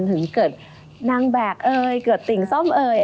ถึงเกิดนางแบกเอยเกิดติ่งซ่อมเอ่ย